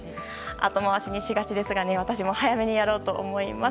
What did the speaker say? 後回しにしがちですが私も早めにやろうと思います。